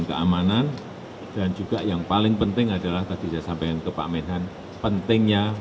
keamanan dan juga yang paling penting adalah tadi saya sampaikan ke pak menhan pentingnya